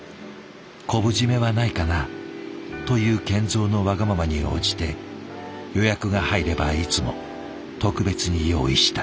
「昆布締めはないかな？」という賢三のわがままに応じて予約が入ればいつも特別に用意した。